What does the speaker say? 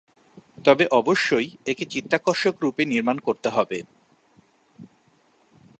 তবে অবশ্যই একে "চিত্তাকর্ষক" রূপে নির্মাণ করতে হবে।